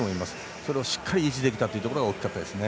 それをしっかり維持できたというのが大きかったですね。